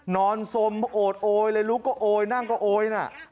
นอนสมโอดโอ้ยเลยลุกก็โอ้ยนั่งก็โอ้ย